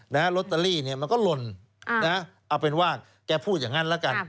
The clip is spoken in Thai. ลอตเตอรี่เนี่ยมันก็หล่นเอาเป็นว่าแกพูดอย่างนั้นแล้วกัน